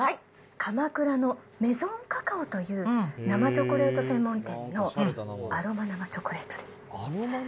鎌倉のメゾンカカオという、生チョコレート専門店のアロマ生チョコレートです。